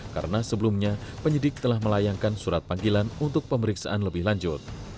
karena sebelumnya penyidik telah melayangkan surat panggilan untuk pemeriksaan lebih lanjut